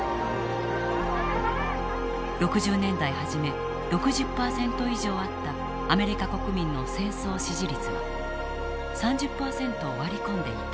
６０年代初め６０％以上あったアメリカ国民の戦争支持率は３０％を割り込んでいた。